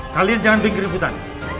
kalian jangan bikin ributan